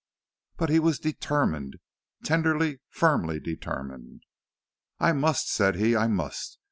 But he was determined, tenderly, firmly determined. "I must," said he; "I must.